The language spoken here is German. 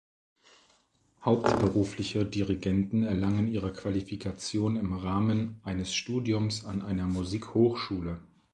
Hauptberufliche Dirigenten erlangen ihre Qualifikation im Rahmen eines Studiums an einer Musikhochschule.